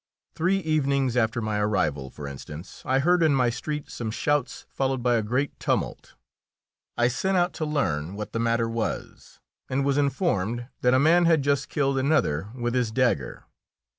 Three evenings after my arrival, for instance, I heard in my street some shouts followed by a great tumult. I sent out to learn what the matter was, and was informed that a man had just killed another with his dagger.